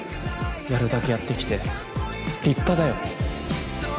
やるだけやってきて立派だよ